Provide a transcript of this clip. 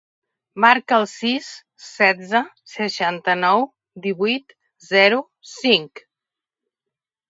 Marca el sis, setze, seixanta-nou, divuit, zero, cinc.